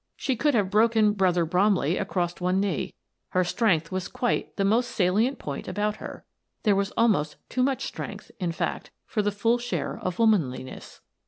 She could have broken brother Bromley across one knee; her strength was quite the most salient point about her — there was almost too much strength, in fact, for the full share of womanliness.